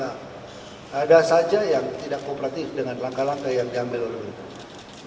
ada saja yang tidak kooperatif dengan langkah langkah yang diambil oleh beliau